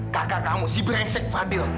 kakak kamu si brengsek fadil